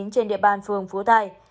trên địa bàn phường phú tài